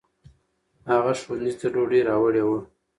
هغه ښوونځي ته ډوډۍ راوړې وه.